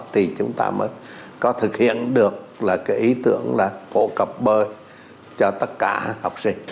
thì chúng ta mới có thực hiện được là cái ý tưởng là phổ cập bơi cho tất cả học sinh